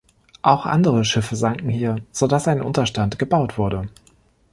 Auch andere Schiffe sanken hier, so dass ein Unterstand gebaut wurde.